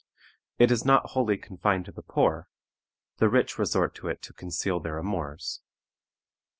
It is not wholly confined to the poor; the rich resort to it to conceal their amours.